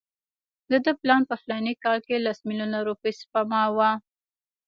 د ده پلان په فلاني کال کې لس میلیونه روپۍ سپما وه.